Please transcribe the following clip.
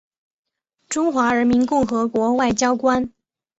中华人民共和国外交官。